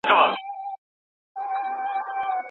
د دې قام د یو ځای کولو